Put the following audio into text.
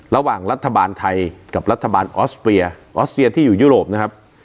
ระหว่างรัฐบาลไทยกับรัฐบาลออสเปียออสเยีที่อยู่ยุโรปนะครับ